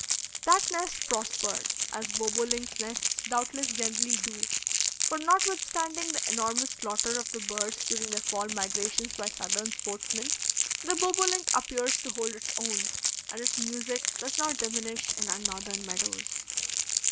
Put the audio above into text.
That nest prospered, as bobolinks' nests doubtless generally do; for, notwithstanding the enormous slaughter of the birds during their fall migrations by Southern sportsmen, the bobolink appears to hold its own, and its music does not diminish in our Northern meadows.